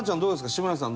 志村さん